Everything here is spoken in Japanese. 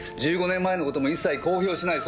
１５年前のことも一切公表しない。